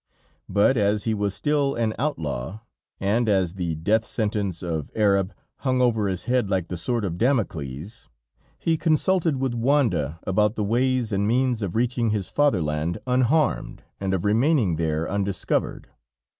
But as he was still an outlaw, and as the death sentence of Arab hung over his head like the sword of Damocles, he consulted with Wanda about the ways and means of reaching his fatherland unharmed and of remaining there undiscovered.